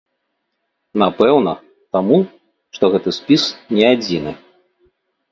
Напэўна, таму, што гэты спіс не адзіны.